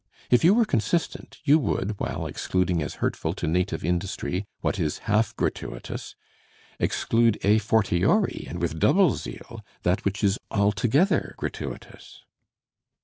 If you were consistent, you would, while excluding as hurtful to native industry what is half gratuitous, exclude a fortiori and with double zeal that which is altogether gratuitous.